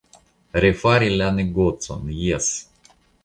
Refari la negocon, jes.